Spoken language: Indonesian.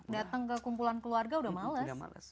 datang ke kumpulan keluarga udah males